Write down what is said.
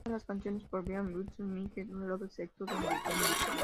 Todas las canciones por Brian Wilson y Mike Love, excepto donde se indica.